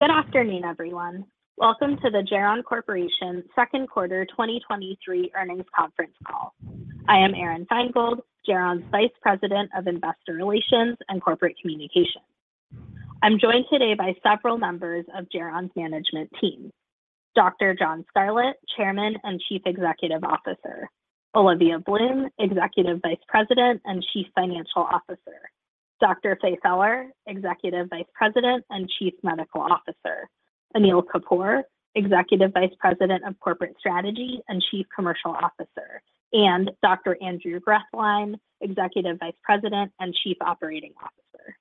Good afternoon, everyone. Welcome to the Geron Corporation Second Quarter 2023 Earnings Conference Call. I am Erin Feingold, Geron's Vice President, Investor Relations and Corporate Communications. I'm joined today by several members of Geron's management team: Dr. John Scarlett, Chairman and Chief Executive Officer, Olivia Blinn, Executive Vice President and Chief Financial Officer, Dr. Faye Feller, Executive Vice President and Chief Medical Officer, Anil Kapoor, Executive Vice President of Corporate Strategy and Chief Commercial Officer, and Dr. Andrew Grethlein, Executive Vice President and Chief Operating Officer.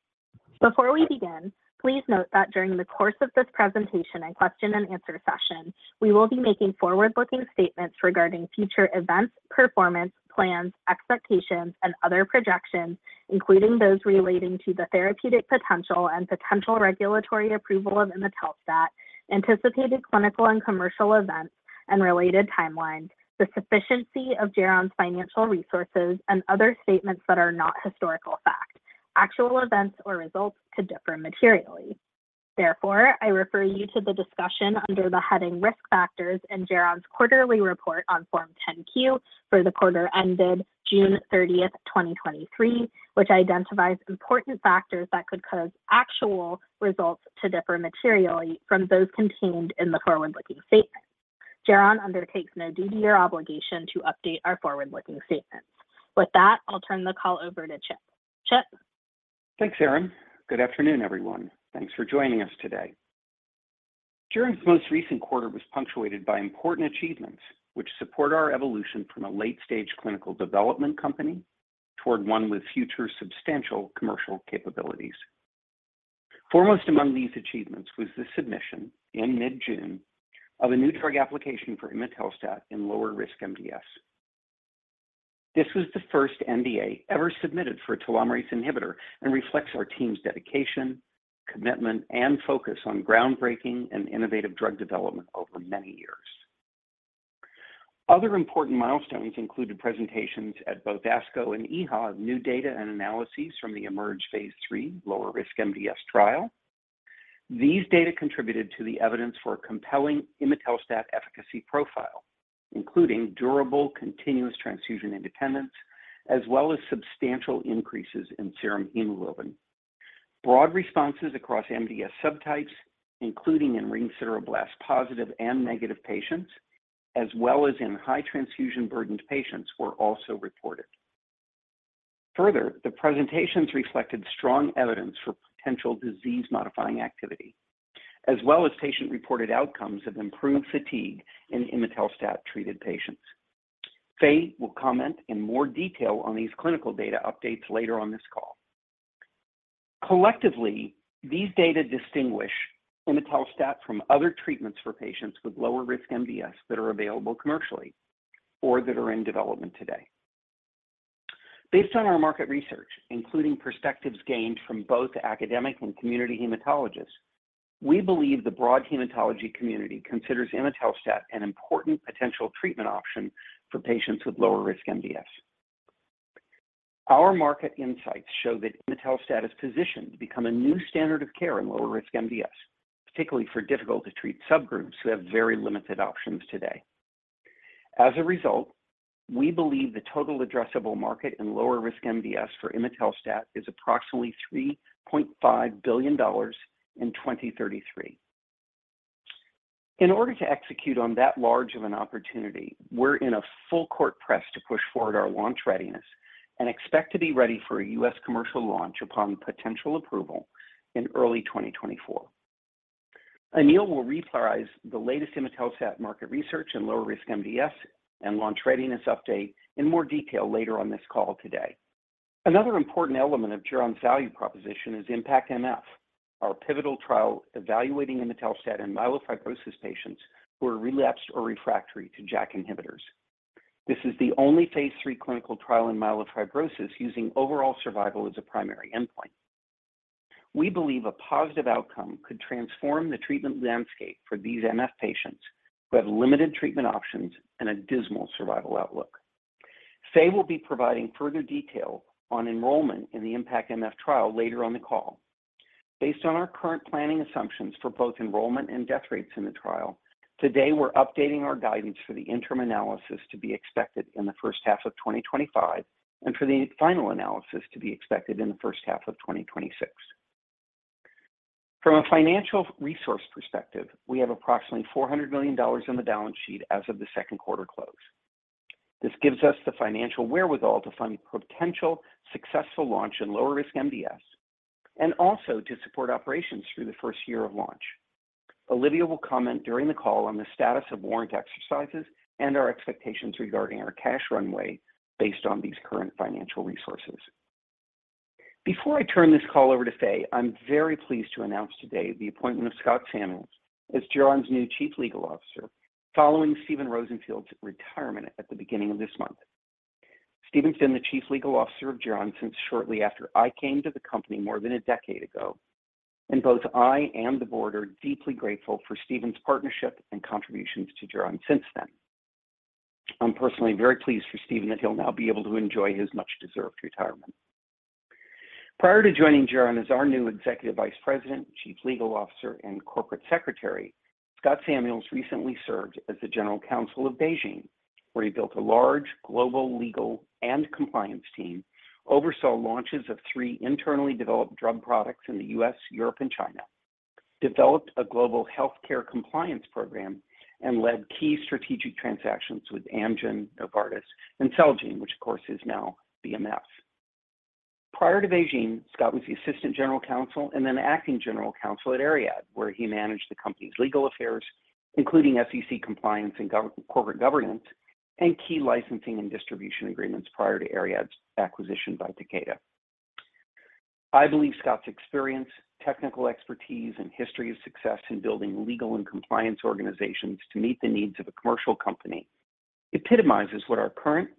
Before we begin, please note that during the course of this presentation and question and answer session, we will be making forward-looking statements regarding future events, performance, plans, expectations, and other projections, including those relating to the therapeutic potential and potential regulatory approval of imetelstat, anticipated clinical and commercial events and related timelines, the sufficiency of Geron's financial resources, and other statements that are not historical fact. Actual events or results could differ materially. Therefore, I refer you to the discussion under the heading Risk Factors in Geron's quarterly report on Form 10-Q for the quarter ended June 30, 2023, which identifies important factors that could cause actual results to differ materially from those contained in the forward-looking statements. Geron undertakes no duty or obligation to update our forward-looking statements. With that, I'll turn the call over to Chip. Chip? Thanks, Erin. Good afternoon, everyone. Thanks for joining us today. Geron's most recent quarter was punctuated by important achievements, which support our evolution from a late-stage clinical development company toward one with future substantial commercial capabilities. Foremost among these achievements was the submission in mid-June of a new drug application for imetelstat in lower-risk MDS. This was the first NDA ever submitted for a telomerase inhibitor and reflects our team's dedication, commitment, and focus on groundbreaking and innovative drug development over many years. Other important milestones included presentations at both ASCO and EHA, new data and analyses from the IMerge phase III lower-risk MDS trial. These data contributed to the evidence for a compelling imetelstat efficacy profile, including durable, continuous transfusion independence, as well as substantial increases in serum hemoglobin. Broad responses across MDS subtypes, including in ring sideroblast-positive and ring sideroblast-negative patients, as well as in high transfusion-burdened patients, were also reported. Further, the presentations reflected strong evidence for potential disease-modifying activity, as well as patient-reported outcomes of improved fatigue in imetelstat-treated patients. Faye will comment in more detail on these clinical data updates later on this call. Collectively, these data distinguish imetelstat from other treatments for patients with lower risk MDS that are available commercially or that are in development today. Based on our market research, including perspectives gained from both academic and community hematologists, we believe the broad hematology community considers imetelstat an important potential treatment option for patients with lower risk MDS. Our market insights show that imetelstat is positioned to become a new standard of care in lower risk MDS, particularly for difficult-to-treat subgroups who have very limited options today. As a result, we believe the total addressable market in lower risk MDS for imetelstat is approximately $3.5 billion in 2033. In order to execute on that large of an opportunity, we're in a full court press to push forward our launch readiness and expect to be ready for a U.S. commercial launch upon potential approval in early 2024. Anil will reprise the latest imetelstat market research in lower risk MDS and launch readiness update in more detail later on this call today. Another important element of Geron's value proposition is IMpactMF, our pivotal trial evaluating imetelstat in myelofibrosis patients who are relapsed or refractory to JAK inhibitors. This is the only phase III clinical trial in myelofibrosis using overall survival as a primary endpoint. We believe a positive outcome could transform the treatment landscape for these MF patients who have limited treatment options and a dismal survival outlook. Faye will be providing further detail on enrollment in the IMpactMF trial later on the call. Based on our current planning assumptions for both enrollment and death rates in the trial, today, we're updating our guidance for the interim analysis to be expected in the first half of 2025, and for the final analysis to be expected in the first half of 2026. From a financial resource perspective, we have approximately $400 million on the balance sheet as of the second quarter close. This gives us the financial wherewithal to fund potential successful launch in lower risk MDS and also to support operations through the first year of launch. Olivia will comment during the call on the status of warrant exercises and our expectations regarding our cash runway based on these current financial resources. I turn this call over to Faye, I'm very pleased to announce today the appointment of Scott Samuels as Geron's new Chief Legal Officer, following Stephen Rosenfield's retirement at the beginning of this month. Stephen's been the Chief Legal Officer of Geron since shortly after I came to the company more than a decade ago, and both I and the Board are deeply grateful for Stephen's partnership and contributions to Geron since then. I'm personally very pleased for Stephen that he'll now be able to enjoy his much-deserved retirement. Prior to joining Geron as our new Executive Vice President, Chief Legal Officer, and Corporate Secretary, Scott Samuels recently served as the General Counsel of BeiGene, where he built a large global legal and compliance team, oversaw launches of three internally developed drug products in the U.S., Europe, and China, developed a global healthcare compliance program, and led key strategic transactions with Amgen, Novartis, and Celgene, which of course is now BMS. Prior to BeiGene, Scott was the Assistant General Counsel and then Acting General Counsel at ARIAD, where he managed the company's legal affairs, including SEC compliance and corporate governance, and key licensing and distribution agreements prior to ARIAD's acquisition by Takeda. I believe Scott's experience, technical expertise, and history of success in building legal and compliance organizations to meet the needs of a commercial company epitomizes what our current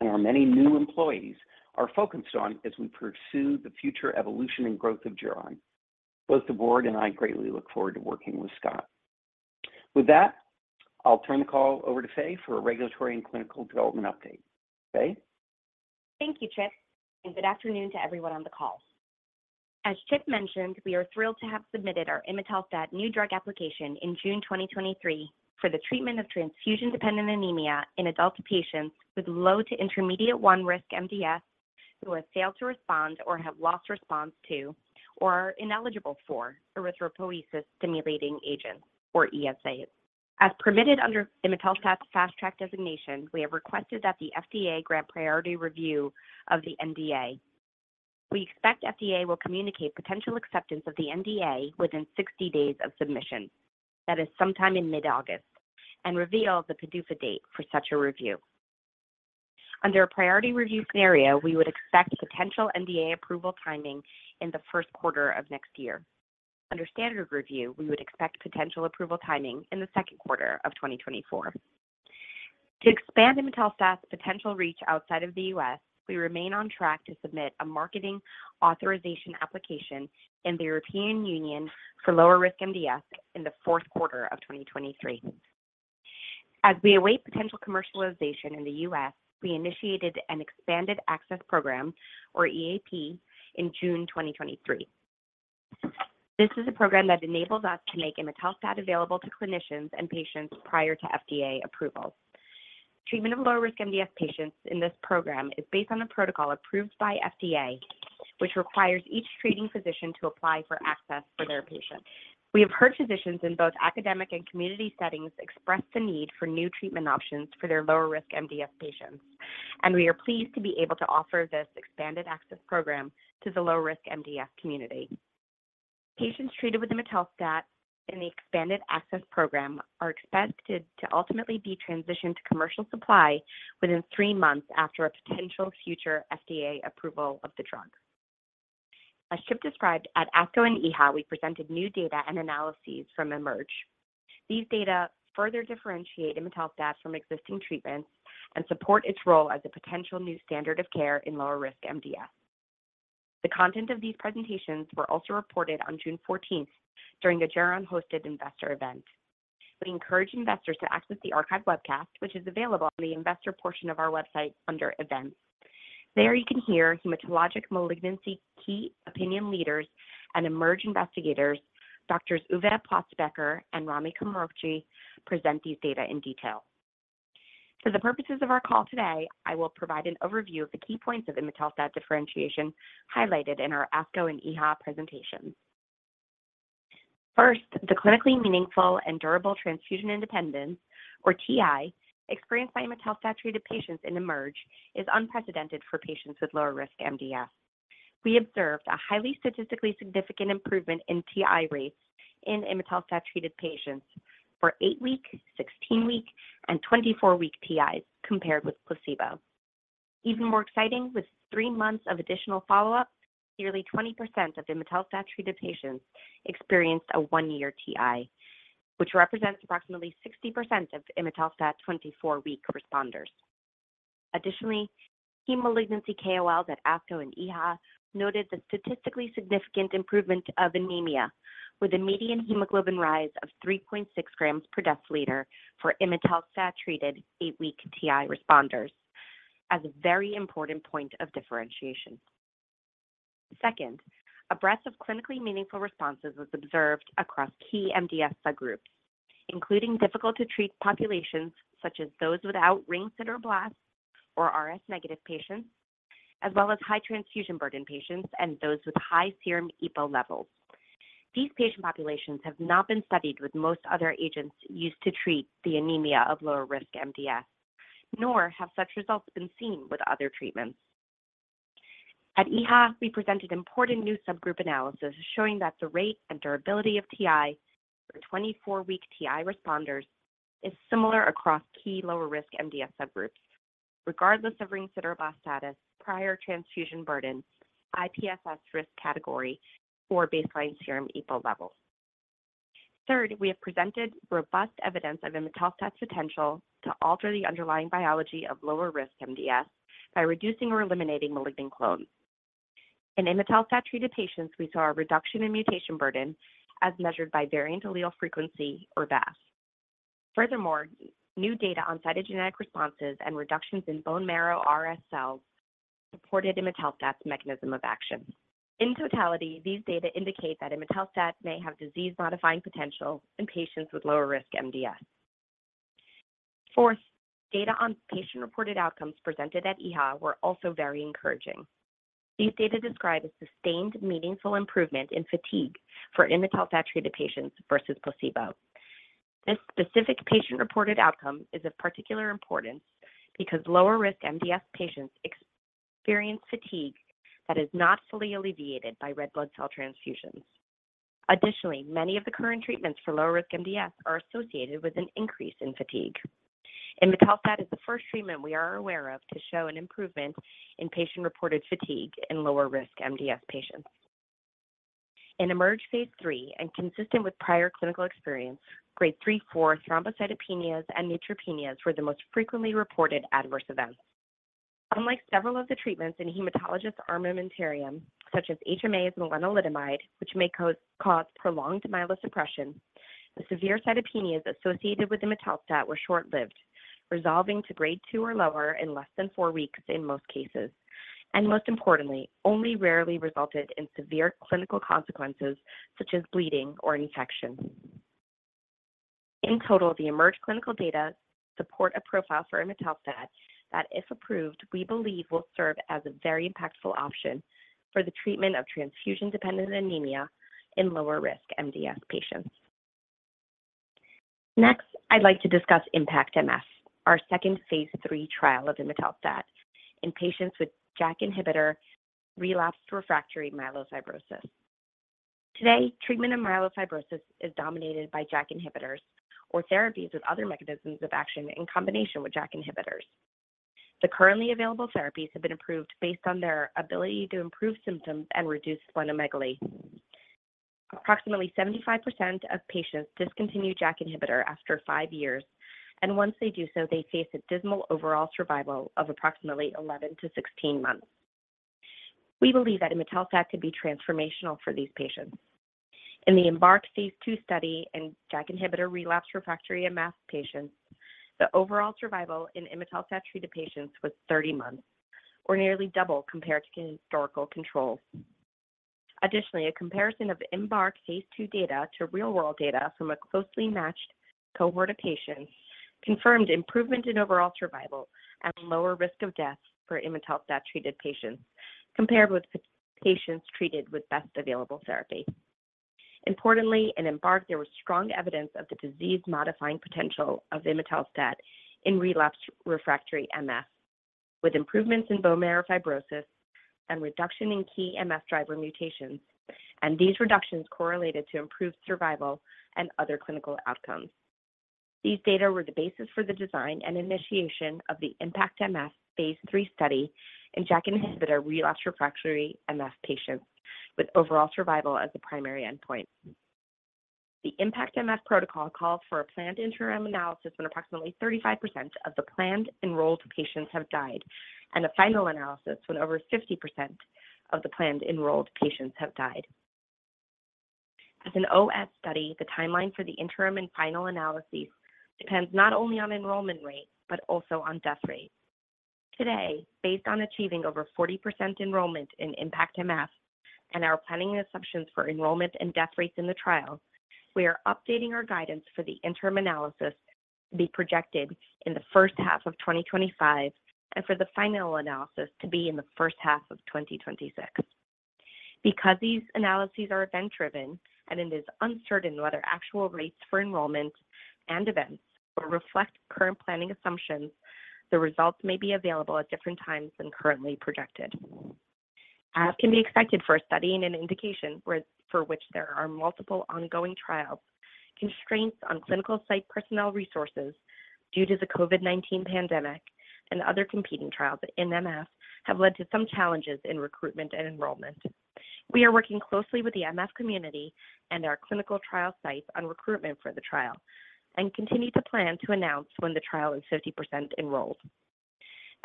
and our many new employees are focused on as we pursue the future evolution and growth of Geron. Both the board and I greatly look forward to working with Scott. With that, I'll turn the call over to Faye for a regulatory and clinical development update. Faye? Thank you, Chip, and good afternoon to everyone on the call. As Chip mentioned, we are thrilled to have submitted our imetelstat New Drug Application in June 2023 for the treatment of transfusion-dependent anemia in adult patients with low- to intermediate-1 risk MDS, who have failed to respond or have lost response to, or are ineligible for erythropoiesis-stimulating agents, or ESAs. As permitted under imetelstat's Fast Track designation, we have requested that the FDA grant priority review of the NDA. We expect FDA will communicate potential acceptance of the NDA within 60 days of submission. That is sometime in mid-August, and reveal the PDUFA date for such a review. Under a priority review scenario, we would expect potential NDA approval timing in the first quarter of next year. Under standard review, we would expect potential approval timing in the second quarter of 2024. To expand imetelstat's potential reach outside of the U.S., we remain on track to submit a marketing authorization application in the European Union for lower-risk MDS in the fourth quarter of 2023. As we await potential commercialization in the U.S., we initiated an expanded access program, or EAP, in June 2023. This is a program that enables us to make imetelstat available to clinicians and patients prior to FDA approval. Treatment of lower-risk MDS patients in this program is based on a protocol approved by FDA, which requires each treating physician to apply for access for their patient. We have heard physicians in both academic and community settings express the need for new treatment options for their lower-risk MDS patients, and we are pleased to be able to offer this expanded access program to the lower-risk MDS community. Patients treated with imetelstat in the expanded access program are expected to ultimately be transitioned to commercial supply within three months after a potential future FDA approval of the drug. As Chip described at ASCO and EHA, we presented new data and analyses from IMerge. These data further differentiate imetelstat from existing treatments and support its role as a potential new standard of care in lower risk MDS. The content of these presentations were also reported on June 14th during a Geron-hosted investor event. We encourage investors to access the archive webcast, which is available on the investor portion of our website under Events. There you can hear hematologic malignancy, key opinion leaders, and IMerge investigators, Doctors Uwe Platzbecker and Rami Komrokji, present these data in detail. For the purposes of our call today, I will provide an overview of the key points of imetelstat differentiation highlighted in our ASCO and EHA presentations. First, the clinically meaningful and durable transfusion independence, or TI, experienced by imetelstat-treated patients in IMerge is unprecedented for patients with lower-risk MDS. We observed a highly statistically significant improvement in TI rates in imetelstat-treated patients for eight-week, 16-week, and 24-week TIs compared with placebo. Even more exciting, with three months of additional follow-up, nearly 20% of imetelstat-treated patients experienced a one-year TI, which represents approximately 60% of imetelstat 24-week responders. Additionally, key malignancy KOLs at ASCO and EHA noted the statistically significant improvement of anemia, with a median hemoglobin rise of 3.6 grams per deciliter for imetelstat-treated eight-week TI responders as a very important point of differentiation. Second, a breadth of clinically meaningful responses was observed across key MDS subgroups, including difficult-to-treat populations, such as those without ring sideroblasts or RS-negative patients, as well as high transfusion burden patients and those with high serum EPO levels. These patient populations have not been studied with most other agents used to treat the anemia of lower risk MDS, nor have such results been seen with other treatments. At EHA, we presented important new subgroup analysis showing that the rate and durability of TI for 24-week TI responders is similar across key lower risk MDS subgroups, regardless of ring sideroblast status, prior transfusion burden, IPSS risk category, or baseline serum EPO levels. Third, we have presented robust evidence of imetelstat's potential to alter the underlying biology of lower risk MDS by reducing or eliminating malignant clones.... In imetelstat-treated patients, we saw a reduction in mutation burden as measured by variant allele frequency or VAF. Furthermore, new data on cytogenetic responses and reductions in bone marrow RS cells supported imetelstat's mechanism of action. In totality, these data indicate that imetelstat may have disease-modifying potential in patients with lower risk MDS. Fourth, data on patient-reported outcomes presented at EHA were also very encouraging. These data describe a sustained, meaningful improvement in fatigue for imetelstat-treated patients versus placebo. This specific patient-reported outcome is of particular importance because lower-risk MDS patients experience fatigue that is not fully alleviated by red blood cell transfusions. Additionally, many of the current treatments for lower-risk MDS are associated with an increase in fatigue. Imetelstat is the first treatment we are aware of to show an improvement in patient-reported fatigue in lower-risk MDS patients. In IMerge phase III, consistent with prior clinical experience, grade three, four thrombocytopenias and neutropenias were the most frequently reported adverse events. Unlike several of the treatments in hematologist armamentarium, such as HMAs and lenalidomide, which may cause prolonged myelosuppression, the severe cytopenias associated with imetelstat were short-lived, resolving to grade two or lower in less than four weeks in most cases, and most importantly, only rarely resulted in severe clinical consequences such as bleeding or infection. In total, the IMerge clinical data support a profile for imetelstat, that if approved, we believe will serve as a very impactful option for the treatment of transfusion-dependent anemia in lower-risk MDS patients. Next, I'd like to discuss IMpactMF, our second phase III trial of imetelstat in patients with JAK inhibitor-relapsed/refractory myelofibrosis. Today, treatment of myelofibrosis is dominated by JAK inhibitors or therapies with other mechanisms of action in combination with JAK inhibitors. The currently available therapies have been approved based on their ability to improve symptoms and reduce splenomegaly. Approximately 75% of patients discontinue JAK inhibitor after five years. Once they do so, they face a dismal overall survival of approximately 11-16 months. We believe that imetelstat could be transformational for these patients. In the EMBARK phase II study in JAK inhibitor-relapsed/refractory MF patients, the overall survival in imetelstat-treated patients was 30 months, or nearly double compared to historical controls. Additionally, a comparison of the EMBARK phase II data to real-world data from a closely matched cohort of patients confirmed improvement in overall survival and lower risk of death for imetelstat-treated patients, compared with patients treated with best available therapy. Importantly, in EMBARK, there was strong evidence of the disease-modifying potential of imetelstat in relapsed/refractory MF, with improvements in bone marrow fibrosis and reduction in key MF driver mutations, and these reductions correlated to improved survival and other clinical outcomes. These data were the basis for the design and initiation of the IMpactMF phase III study in JAK inhibitor-relapsed/refractory MF patients, with overall survival as the primary endpoint. The IMpactMF protocol called for a planned interim analysis when approximately 35% of the planned enrolled patients have died, and a final analysis when over 50% of the planned enrolled patients have died. As an OS study, the timeline for the interim and final analyses depends not only on enrollment rate, but also on death rate. Today, based on achieving over 40% enrollment in IMpactMF and our planning assumptions for enrollment and death rates in the trial, we are updating our guidance for the interim analysis to be projected in the first half of 2025, and for the final analysis to be in the first half of 2026. Because these analyses are event-driven and it is uncertain whether actual rates for enrollment and events will reflect current planning assumptions, the results may be available at different times than currently projected. As can be expected for a study and an indication where for which there are multiple ongoing trials, constraints on clinical site personnel resources due to the COVID-19 pandemic and other competing trials in MF have led to some challenges in recruitment and enrollment. We are working closely with the MF community and our clinical trial sites on recruitment for the trial and continue to plan to announce when the trial is 50% enrolled.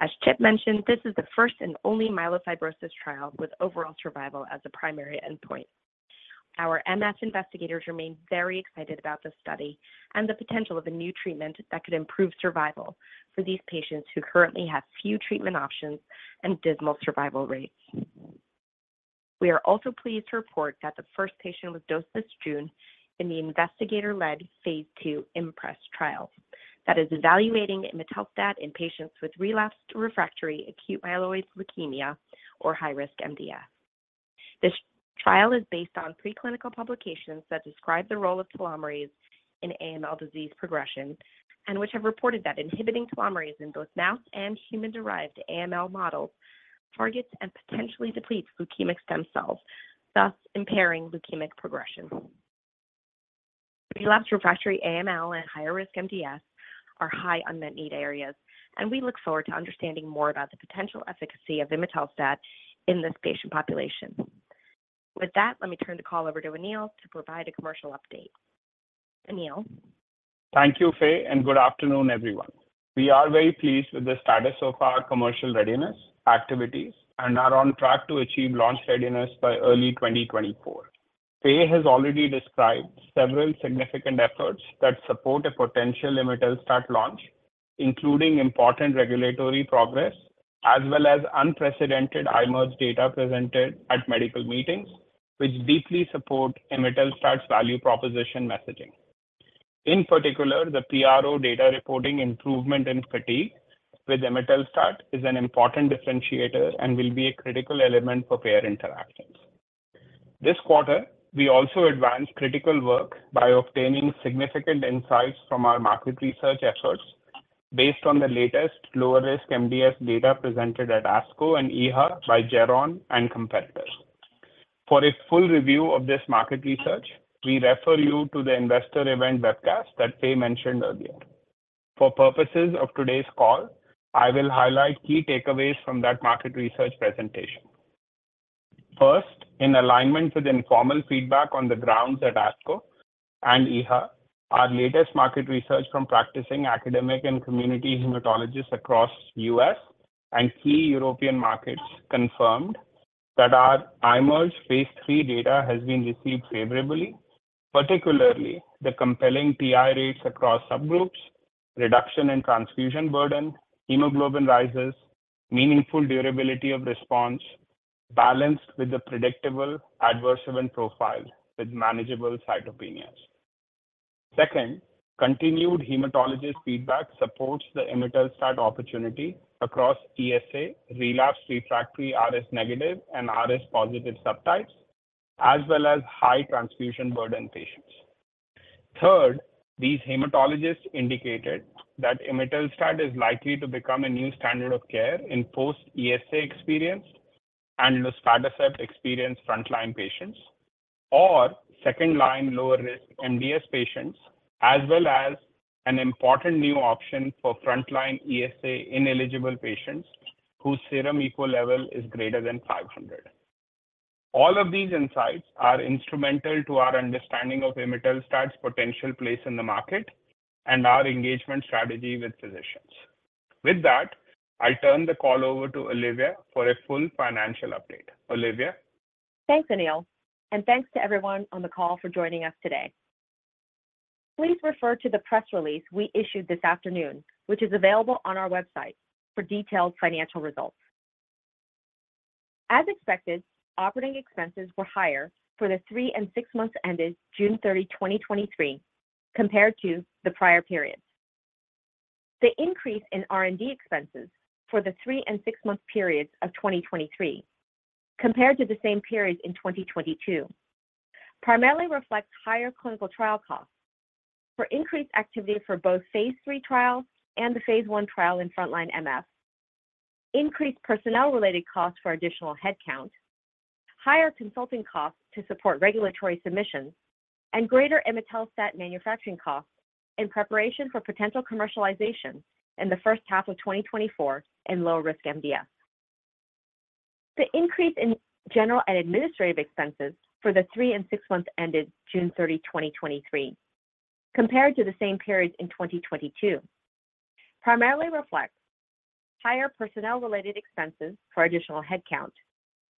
As Chip mentioned, this is the first and only myelofibrosis trial with overall survival as a primary endpoint. Our MF investigators remain very excited about this study and the potential of a new treatment that could improve survival for these patients who currently have few treatment options and dismal survival rates. We are also pleased to report that the first patient was dosed this June in the investigator-led phase II IMPRESS trial that is evaluating imetelstat in patients with relapsed/refractory acute myeloid leukemia or high-risk MDS. This trial is based on preclinical publications that describe the role of telomerase in AML disease progression, and which have reported that inhibiting telomerase in both mouse and human-derived AML models, targets and potentially depletes leukemic stem cells, thus impairing leukemic progression. Relapsed/refractory AML and higher-risk MDS are high unmet need areas, and we look forward to understanding more about the potential efficacy of imetelstat in this patient population. With that, let me turn the call over to Anil to provide a commercial update. Anil? Thank you, Faye, and good afternoon, everyone. We are very pleased with the status of our commercial readiness activities and are on track to achieve launch readiness by early 2024. Faye has already described several significant efforts that support a potential imetelstat launch, including important regulatory progress, as well as unprecedented IMerge data presented at medical meetings, which deeply support imetelstat's value proposition messaging. In particular, the PRO data reporting improvement in fatigue with imetelstat is an important differentiator and will be a critical element for payer interactions. This quarter, we also advanced critical work by obtaining significant insights from our market research efforts based on the latest lower-risk MDS data presented at ASCO and EHA by Geron and competitors. For a full review of this market research, we refer you to the investor event webcast that Faye mentioned earlier. For purposes of today's call, I will highlight key takeaways from that market research presentation. First, in alignment with informal feedback on the grounds at ASCO and EHA, our latest market research from practicing academic and community hematologists across U.S. and key European markets confirmed that our IMerge phase III data has been received favorably, particularly the compelling PI rates across subgroups, reduction in transfusion burden, hemoglobin rises, meaningful durability of response, balanced with the predictable adverse event profile with manageable cytopenias. Second, continued hematologist feedback supports the imetelstat opportunity across ESA, relapsed refractory RS negative and RS positive subtypes, as well as high transfusion burden patients. Third, these hematologists indicated that imetelstat is likely to become a new standard of care in post-ESA experienced and luspatercept-experienced frontline patients or second-line lower-risk MDS patients, as well as an important new option for frontline ESA-ineligible patients whose serum hemoglobin level is greater than 500. All of these insights are instrumental to our understanding of imetelstat's potential place in the market and our engagement strategy with physicians. With that, I turn the call over to Olivia for a full financial update. Olivia? Thanks, Anil, and thanks to everyone on the call for joining us today. Please refer to the press release we issued this afternoon, which is available on our website for detailed financial results. As expected, operating expenses were higher for the three and six months ended June 30, 2023, compared to the prior periods. The increase in R&D expenses for the three and six-month periods of 2023, compared to the same period in 2022, primarily reflects higher clinical trial costs for increased activity for both phase III trial and the phase I trial in frontline MF, increased personnel-related costs for additional headcount, higher consulting costs to support regulatory submissions, and greater imetelstat manufacturing costs in preparation for potential commercialization in the first half of 2024 in lower risk MDS. The increase in general and administrative expenses for the three and six months ended June 30, 2023, compared to the same period in 2022, primarily reflects higher personnel-related expenses for additional headcount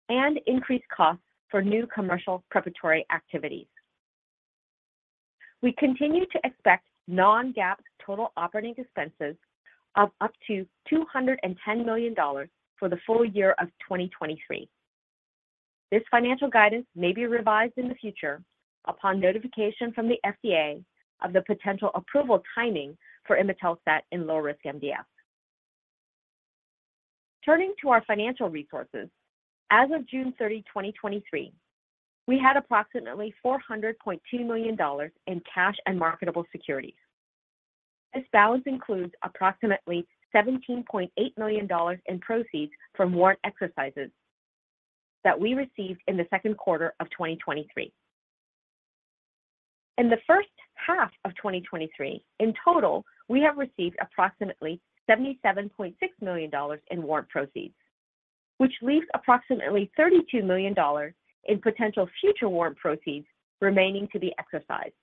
and increased costs for new commercial preparatory activities. We continue to expect non-GAAP total operating expenses of up to $210 million for the full year of 2023. This financial guidance may be revised in the future upon notification from the FDA of the potential approval timing for imetelstat in lower risk MDS. Turning to our financial resources, as of June 30, 2023, we had approximately $400.2 million in cash and marketable securities. This balance includes approximately $17.8 million in proceeds from warrant exercises that we received in the second quarter of 2023. In the first half of 2023, in total, we have received approximately $77.6 million in warrant proceeds, which leaves approximately $32 million in potential future warrant proceeds remaining to be exercised.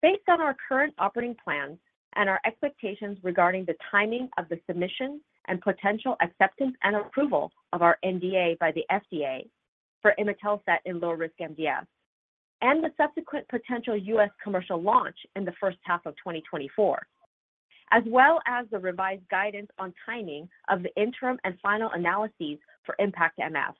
Based on our current operating plans and our expectations regarding the timing of the submission and potential acceptance and approval of our NDA by the FDA for imetelstat in lower risk MDS, and the subsequent potential U.S. commercial launch in the first half of 2024, as well as the revised guidance on timing of the interim and final analyses for IMpactMF,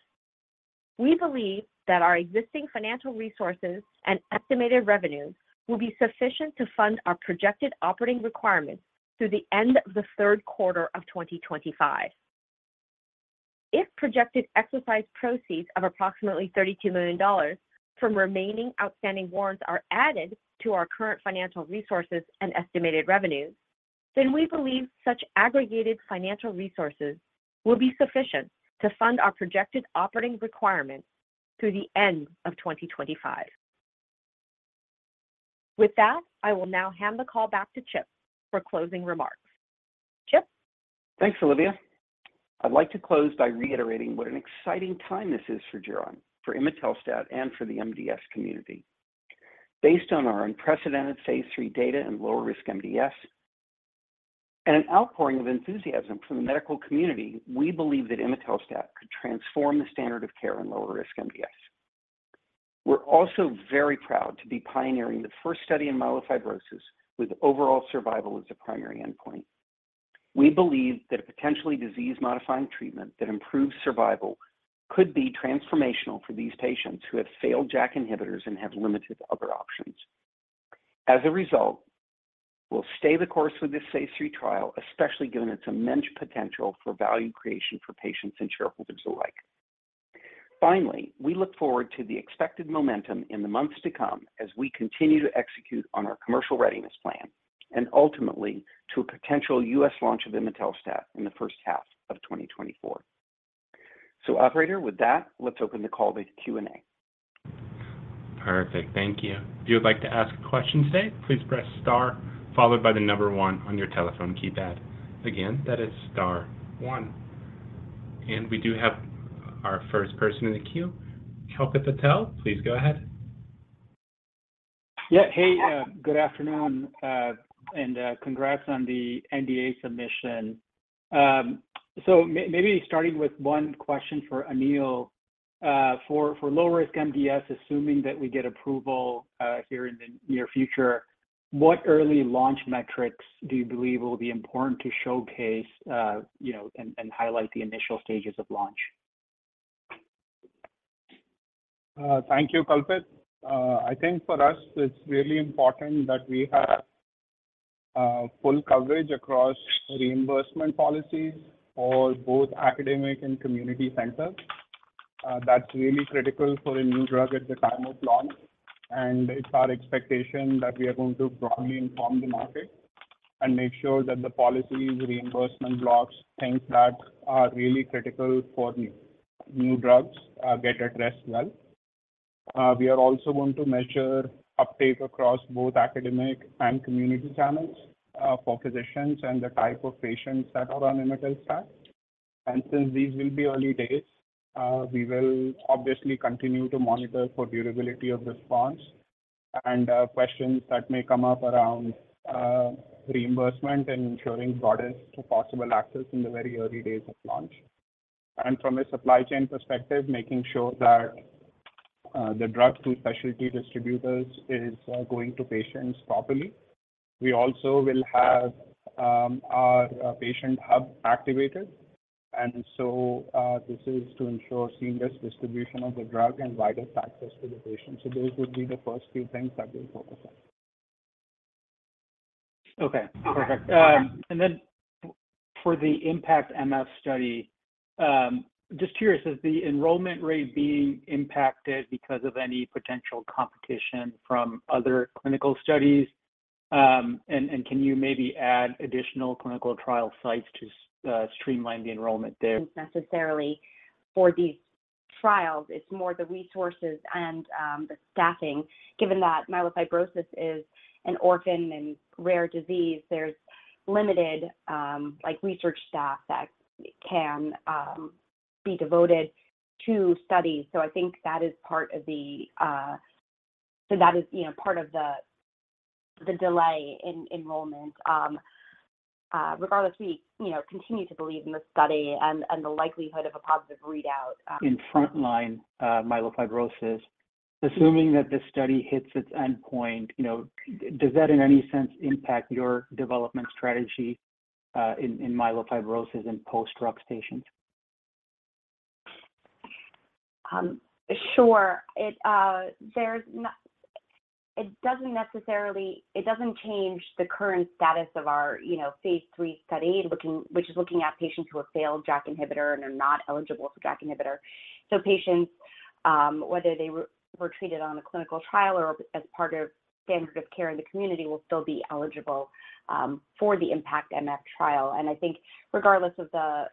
we believe that our existing financial resources and estimated revenues will be sufficient to fund our projected operating requirements through the end of the third quarter of 2025. If projected exercise proceeds of approximately $32 million from remaining outstanding warrants are added to our current financial resources and estimated revenues, then we believe such aggregated financial resources will be sufficient to fund our projected operating requirements through the end of 2025. With that, I will now hand the call back to Chip for closing remarks. Chip? Thanks, Olivia. I'd like to close by reiterating what an exciting time this is for Geron, for imetelstat, and for the MDS community. Based on our unprecedented phase III data in lower-risk MDS and an outpouring of enthusiasm from the medical community, we believe that imetelstat could transform the standard of care in lower-risk MDS. We're also very proud to be pioneering the first study in myelofibrosis with overall survival as a primary endpoint. We believe that a potentially disease-modifying treatment that improves survival could be transformational for these patients who have failed JAK inhibitors and have limited other options. As a result, we'll stay the course with this phase III trial, especially given its immense potential for value creation for patients and shareholders alike. Finally, we look forward to the expected momentum in the months to come as we continue to execute on our commercial readiness plan and ultimately to a potential U.S. launch of imetelstat in the first half of 2024. Operator, with that, let's open the call to Q&A. Perfect. Thank you. If you would like to ask a question today, please press star followed by the number one on your telephone keypad. Again, that is star one. We do have our first person in the queue. Kalpit Patel, please go ahead. Yeah. Hey, good afternoon, congrats on the NDA submission. Maybe starting with one question for Anil. For lower-risk MDS, assuming that we get approval here in the near future, what early launch metrics do you believe will be important to showcase, you know, and highlight the initial stages of launch? Thank you, Kalpit. I think for us it's really important that we have full coverage across reimbursement policies for both academic and community centers. That's really critical for a new drug at the time of launch, and it's our expectation that we are going to broadly inform the market and make sure that the policies, reimbursement blocks, things that are really critical for new, new drugs get addressed well. We are also going to measure uptake across both academic and community channels for physicians and the type of patients that are on imetelstat. Since these will be early days, we will obviously continue to monitor for durability of response and questions that may come up around reimbursement and ensuring broadest possible access in the very early days of launch. From a supply chain perspective, making sure that the drug to specialty distributors is going to patients properly. We also will have our patient hub activated, this is to ensure seamless distribution of the drug and widest access to the patient. Those would be the first few things that we'll focus on. Okay, perfect. For the IMpactMF study, just curious, is the enrollment rate being impacted because of any potential competition from other clinical studies? Can you maybe add additional clinical trial sites to streamline the enrollment there? Necessarily for these trials, it's more the resources and the staffing. Given that myelofibrosis is an orphan and rare disease, there's limited, like, research staff that can be devoted to studies. I think that is part of the. That is, you know, part of the delay in enrollment. Regardless, we, you know, continue to believe in the study and, and the likelihood of a positive readout. In frontline, myelofibrosis, assuming that this study hits its endpoint, you know, does that in any sense impact your development strategy, in, in myelofibrosis in post-drug stations? Sure. It doesn't change the current status of our, you know, phase III study, which is looking at patients who have failed JAK inhibitor and are not eligible for JAK inhibitor. Patients, whether they were treated on a clinical trial or as part of standard of care in the community, will still be eligible for the IMpactMF trial. I think regardless of the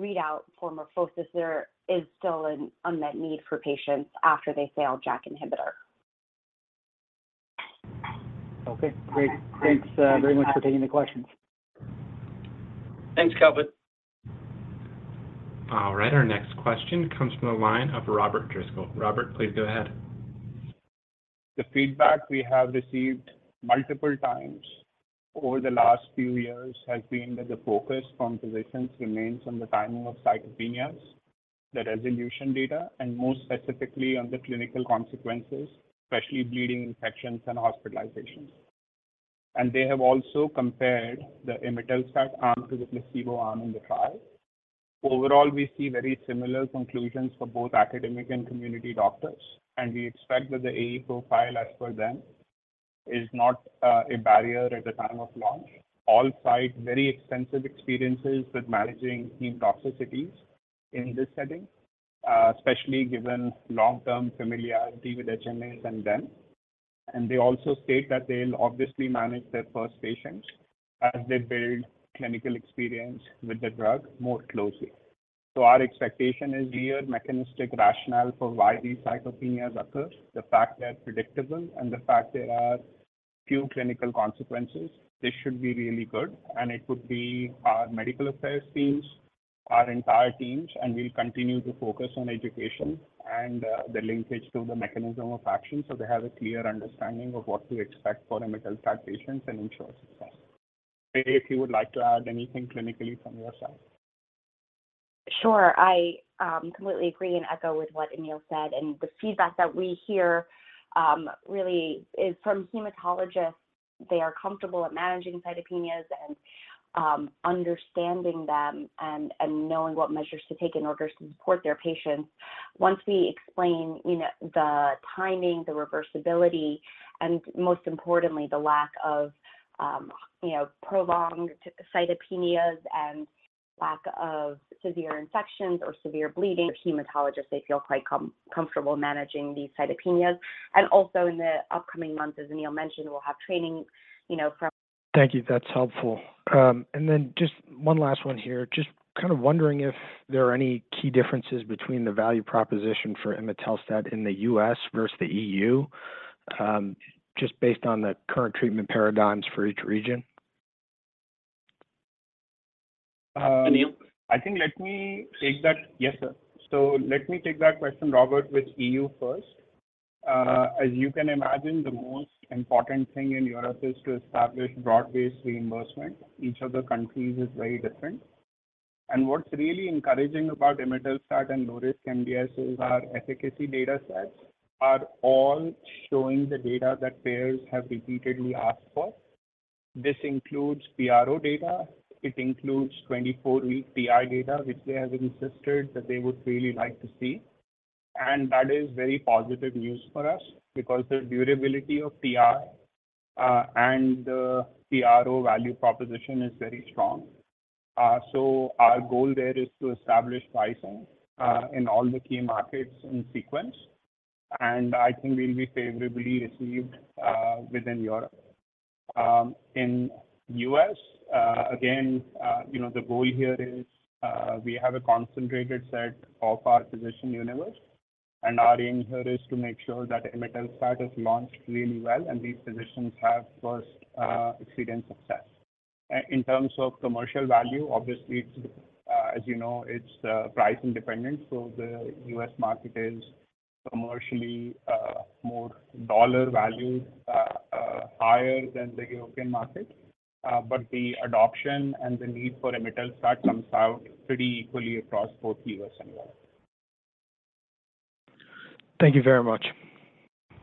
readout for MorphoSys, there is still an unmet need for patients after they fail JAK inhibitor. Okay, great. Thanks very much for taking the questions. Thanks, Kalpit. All right, our next question comes from the line of Robert Driscoll. Robert, please go ahead. The feedback we have received multiple times over the last few years has been that the focus from physicians remains on the timing of cytopenias, the resolution data, and more specifically on the clinical consequences, especially bleeding, infections, and hospitalizations. They have also compared the imetelstat arm to the placebo arm in the trial. Overall, we see very similar conclusions for both academic and community doctors, and we expect that the AE profile as per them is not a barrier at the time of launch. All sites very extensive experiences with managing immune toxicities in this setting, especially given long-term familiarity with HNIs and them. They also state that they'll obviously manage their first patients as they build clinical experience with the drug more closely. Our expectation is clear mechanistic rationale for why these cytopenias occur, the fact they're predictable, and the fact there are few clinical consequences. This should be really good, and it would be our medical affairs teams, our entire teams, and we'll continue to focus on education and the linkage to the mechanism of action, so they have a clear understanding of what to expect for imetelstat patients and ensure success. If you would like to add anything clinically from your side? Sure. I completely agree and echo with what Anil said, and the feedback that we hear, really is from hematologists. They are comfortable at managing cytopenias and understanding them and knowing what measures to take in order to support their patients. Once we explain, you know, the timing, the reversibility, and most importantly, the lack of, you know, prolonged cytopenias and lack of severe infections or severe bleeding, hematologists, they feel quite comfortable managing these cytopenias. Also in the upcoming months, as Anil mentioned, we'll have training, you know, from- Thank you. That's helpful. Just one last one here. Just kind of wondering if there are any key differences between the value proposition for imetelstat in the U.S. versus the E.U., just based on the current treatment paradigms for each region? Um- Anil? I think let me take that. Yes, sir. Let me take that question, Robert, with E.U. first. As you can imagine, the most important thing in Europe is to establish broad-based reimbursement. Each of the countries is very different. What's really encouraging about imetelstat and NOURISH NDA is our efficacy data sets are all showing the data that payers have repeatedly asked for. This includes PRO data. It includes 24-week PR data, which they have insisted that they would really like to see. That is very positive news for us because the durability of PR and the PRO value proposition is very strong. Our goal there is to establish pricing in all the key markets in sequence, I think we'll be favorably received within Europe. In U.S., again, you know, the goal here is, we have a concentrated set of our physician universe, and our aim here is to make sure that imetelstat is launched really well, and these physicians have first experience success. In terms of commercial value, obviously, it's, as you know, it's pricing dependent, so the U.S. market is commercially more dollar value higher than the European market. The adoption and the need for imetelstat comes out pretty equally across both U.S. and Europe. Thank you very much.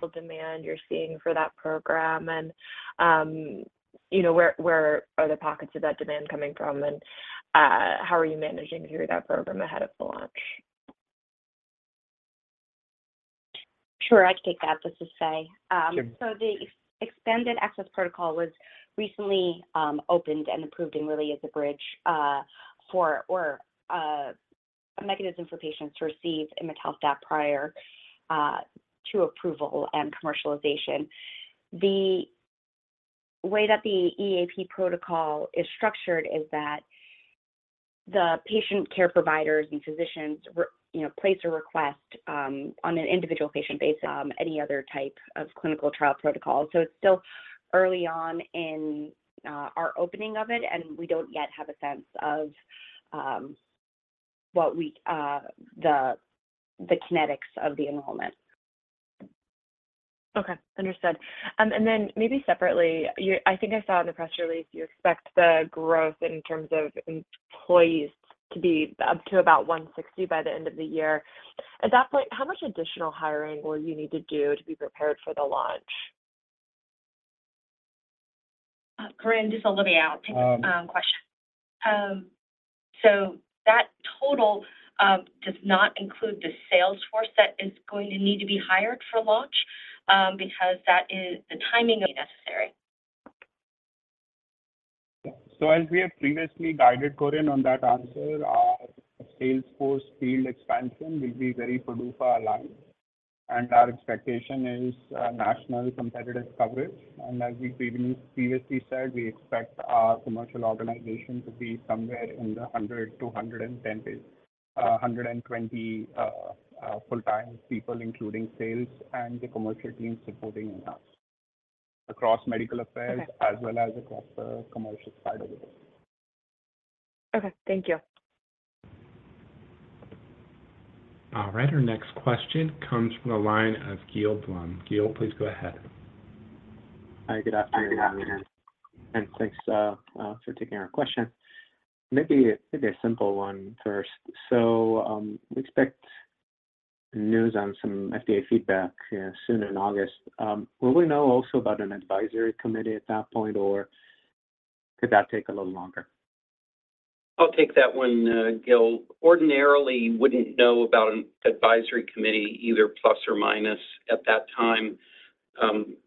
The demand you're seeing for that program, and, you know, where, where are the pockets of that demand coming from, and, how are you managing through that program ahead of the launch? Sure. I can take that. This is Faye. Sure. The expanded access protocol was recently opened and approved and really is a bridge for or a mechanism for patients to receive imetelstat prior to approval and commercialization. The way that the EAP protocol is structured is that the patient care providers and physicians, you know, place a request on an individual patient basis, any other type of clinical trial protocol. It's still early on in our opening of it, and we don't yet have a sense of what we, the kinetics of the enrollment. Okay. Understood. Maybe separately, I think I saw in the press release you expect the growth in terms of employees to be up to about 160 by the end of the year. At that point, how much additional hiring will you need to do to be prepared for the launch? Corinne, just let me take this question. That total does not include the sales force that is going to need to be hired for launch, because that is the timing necessary. As we have previously guided Corinne on that answer, our sales force field expansion will be very Purdue aligned, and our expectation is, national competitive coverage. As we previously, previously said, we expect our commercial organization to be somewhere in the 100 to 110 base, 120 full-time people, including sales and the commercial team supporting us across medical affairs. Okay. As well as across the commercial side of the business. Okay. Thank you. All right, our next question comes from the line of Gil Blum. Gil, please go ahead. Hi, good afternoon, and thanks for taking our question. Maybe, maybe a simple one first. Will we know also about an FDA advisory committee at that point, or could that take a little longer? I'll take that one, Gil. Ordinarily, wouldn't know about an advisory committee, either plus or minus, at that time.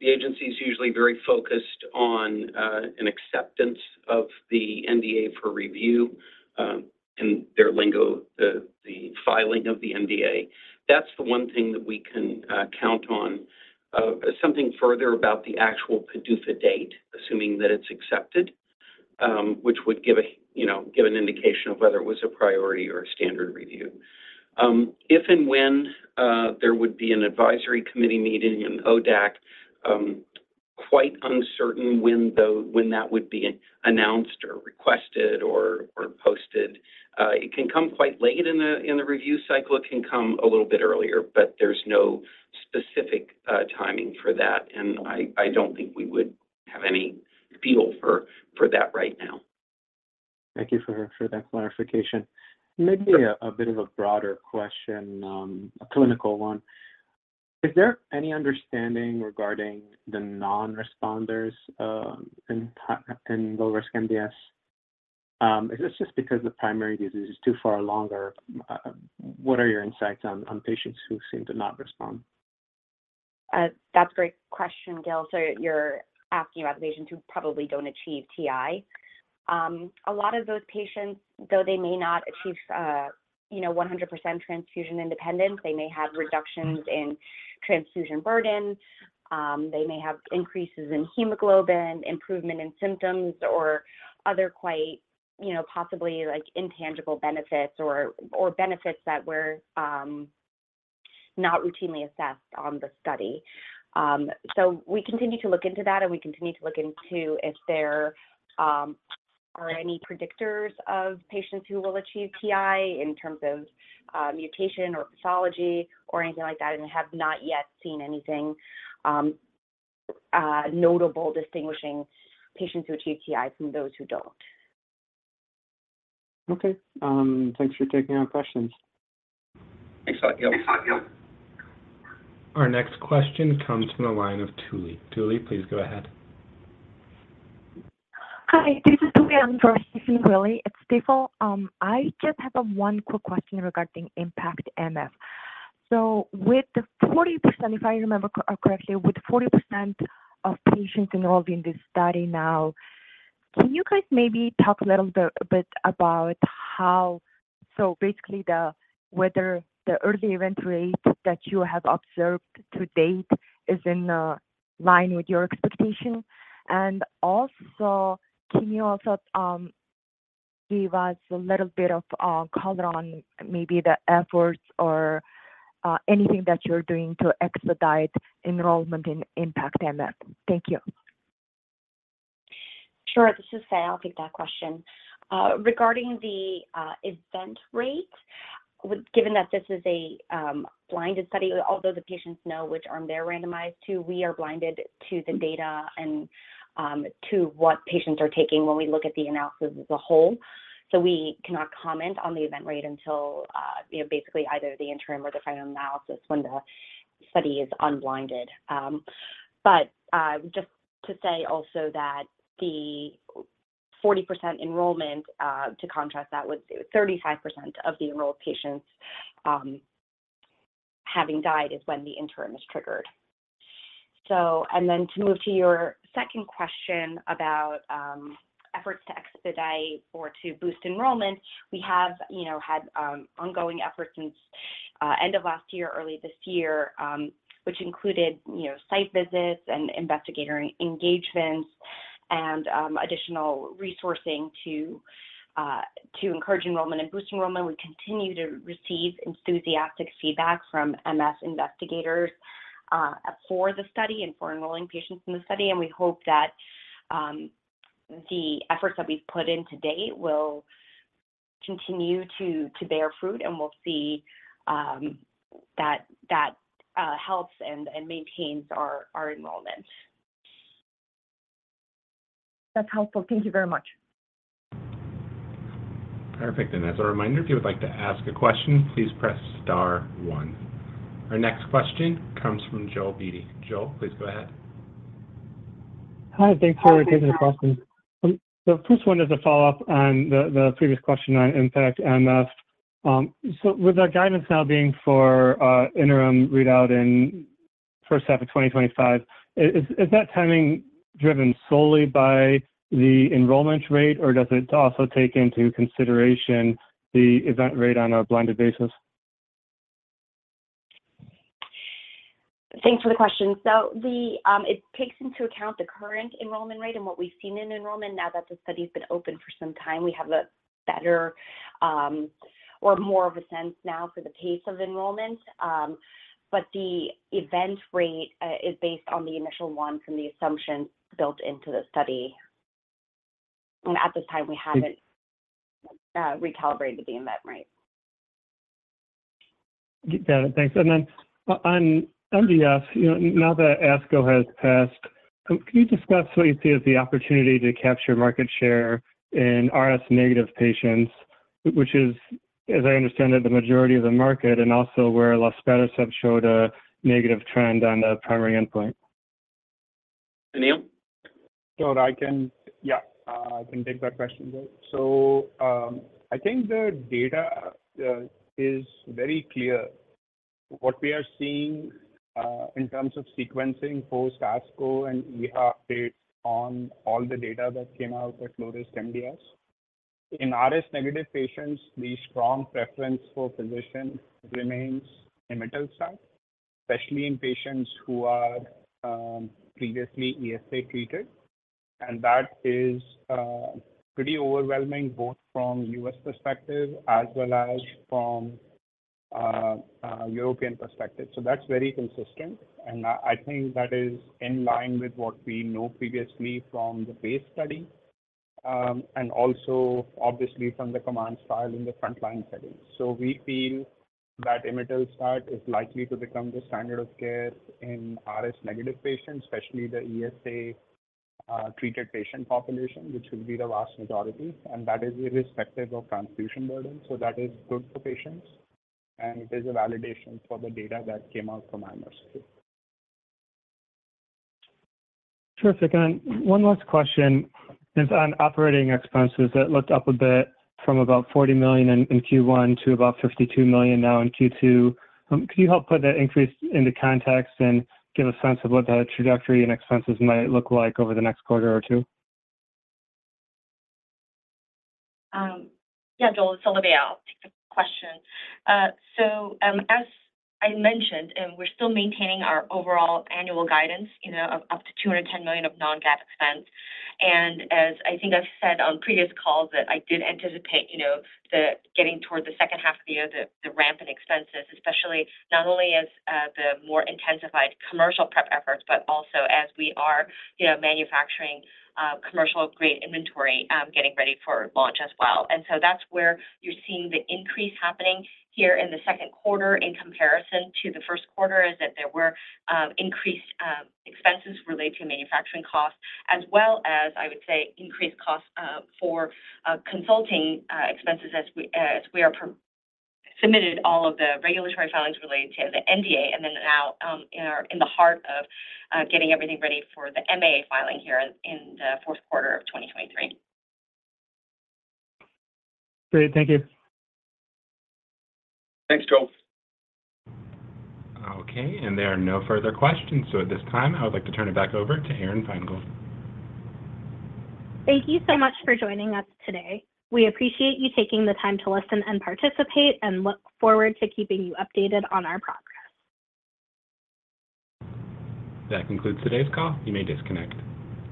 The agency is usually very focused on an acceptance of the NDA for review, and their lingo, the, the filing of the NDA. That's the one thing that we can count on. Something further about the actual PDUFA date, assuming that it's accepted? Which would give a, you know, give an indication of whether it was a priority or a standard review. If and when there would be an advisory committee meeting in ODAC, quite uncertain when the, when that would be announced or requested or, or posted. It can come quite late in the, in the review cycle. It can come a little bit earlier, but there's no specific timing for that, and I, I don't think we would have any feel for, for that right now. Thank you for, for that clarification. Maybe a, a bit of a broader question, a clinical one. Is there any understanding regarding the non-responders, in, in low-risk MDS? Is this just because the primary disease is too far along, or, what are your insights on, on patients who seem to not respond? That's a great question, Gil. You're asking about patients who probably don't achieve TI. A lot of those patients, though they may not achieve, you know, 100% transfusion independence, they may have reductions in transfusion burden. They may have increases in hemoglobin, improvement in symptoms, or other quite, you know, possibly, like, intangible benefits or, or benefits that were not routinely assessed on the study. We continue to look into that, and we continue to look into if there are any predictors of patients who will achieve TI in terms of mutation or pathology or anything like that and have not yet seen anything notable distinguishing patients who achieve TI from those who don't. Okay. Thanks for taking our questions. Thanks a lot, Gil. Our next question comes from the line of Tuli. Tuli, please go ahead. Hi, this is Tuli Ang from Steve Willie at Stifel. I just have one quick question regarding IMpactMF. With the 40%, if I remember correctly, with 40% of patients enrolled in this study now, can you guys maybe talk a little bit about how... Basically, the whether the early event rate that you have observed to date is in line with your expectation? Also, can you also give us a little bit of color on maybe the efforts or anything that you're doing to expedite enrollment in IMpactMF? Thank you. Sure. This is Faye. I'll take that question. Regarding the event rate, with given that this is a blinded study, although the patients know which arm they're randomized to, we are blinded to the data and to what patients are taking when we look at the analysis as a whole. We cannot comment on the event rate until, you know, basically either the interim or the final analysis when the study is unblinded. Just to say also that the 40% enrollment to contrast that with 35% of the enrolled patients having died is when the interim is triggered. To move to your second question about efforts to expedite or to boost enrollment, we have, you know, had ongoing efforts since end of last year, early this year, which included, you know, site visits and investigator engagements and additional resourcing to encourage enrollment and boost enrollment. We continue to receive enthusiastic feedback from MF investigators for the study and for enrolling patients in the study, and we hope that the efforts that we've put in to date will continue to bear fruit, and we'll see that that helps and maintains our enrollment. That's helpful. Thank you very much. Perfect. As a reminder, if you would like to ask a question, please press star one. Our next question comes from Joel Beatty. Joel, please go ahead. Hi, thanks for taking the question. The first one is a follow-up on the, the previous question on IMpactMF. With our guidance now being for interim readout in first half of 2025, is that timing driven solely by the enrollment rate, or does it also take into consideration the event rate on a blinded basis? Thanks for the question. The, it takes into account the current enrollment rate and what we've seen in enrollment now that the study's been open for some time. We have a better, or more of a sense now for the pace of enrollment. The event rate is based on the initial one from the assumption built into the study. At this time, we haven't recalibrated the event rate. Got it. Thanks. Then on MDS, you know, now that ASCO has passed, can you discuss what you see as the opportunity to capture market share in ring sideroblast-negative patients, which is, as I understand it, the majority of the market, and also where luspatercept showed a negative trend on the primary endpoint? Anil? Sure, yeah, I can take that question. I think the data is very clear. What we are seeing in terms of sequencing for ASCO, and we have data on all the data that came out at lower risk MDS. In RS negative patients, the strong preference for physician remains imetelstat, especially in patients who are, previously ESA treated. That is pretty overwhelming, both from U.S. perspective as well as from European perspective. That's very consistent, and I, I think that is in line with what we know previously from the base study, and also obviously from the command style in the frontline setting. We feel that imetelstat is likely to become the standard of care in RS negative patients, especially the ESA, treated patient population, which will be the vast majority, and that is irrespective of transfusion burden. That is good for patients, and it is a validation for the data that came out from IMerge 2. Terrific. One last question is on operating expenses that looked up a bit from about $40 million in, in Q1 to about $52 million now in Q2. Could you help put that increase into context and give a sense of what that trajectory and expenses might look like over the next quarter or two? Yeah, Joel, it's Olivia. I'll take the question. As I mentioned, we're still maintaining our overall annual guidance, you know, of up to $210 million of non-GAAP expense. As I think I've said on previous calls, that I did anticipate, you know, the getting towards the second half of the year, the, the rampant expenses, especially not only as the more intensified commercial prep efforts, but also as we are, you know, manufacturing, commercial grade inventory, getting ready for launch as well. That's where you're seeing the increase happening here in the second quarter in comparison to the first quarter, is that there were increased expenses related to manufacturing costs, as well as, I would say, increased costs for consulting expenses as we, as we are per submitted all of the regulatory filings related to the NDA and then now, in our, in the heart of getting everything ready for the MAA filing here in the fourth quarter of 2023. Great. Thank you. Thanks, Joel. Okay, there are no further questions. At this time, I would like to turn it back over to Erin Feingold. Thank you so much for joining us today. We appreciate you taking the time to listen and participate, and look forward to keeping you updated on our progress. That concludes today's call. You may disconnect.